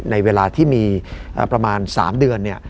ในเวลาที่มีประมาณ๓เดือน